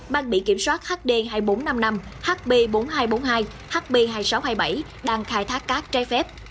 mang bị kiểm soát hd hai nghìn bốn trăm năm mươi năm hb bốn nghìn hai trăm bốn mươi hai hb hai nghìn sáu trăm hai mươi bảy đang khai thác cát trái phép